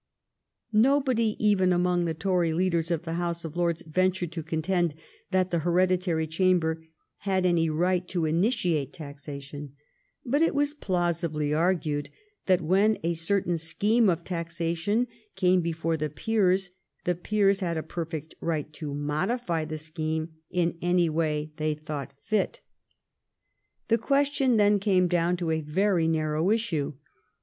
Nobody even among the Tory leaders of the House of Lords ventured to contend that the Hereditary Chamber had any right to initiate taxa tion, but it was plausibly argued that when a cer tain scheme of taxation came before the peers, the peers had a perfect right to modify the scheme in any way that they thought fit. THE REPEAL OF THE TAXES ON EDUCATION 22/ The question then came down to a very nar row issue.